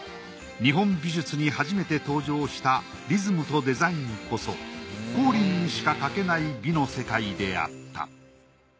日本美術に初めて登場したリズムとデザインこそ光琳にしか描けない美の世界であった。